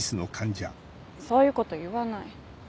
そういうこと言わない。